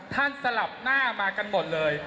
สลับหน้ามากันหมดเลย